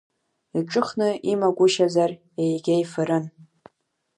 Иҿыхны имагәышьазар егьа ифарын.